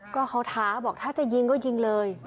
ก็เขาท้าบอกถ้าจะยิงก็ยิงเลย